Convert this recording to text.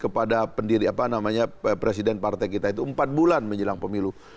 kepada pendiri apa namanya presiden partai kita itu empat bulan menjelang pemilu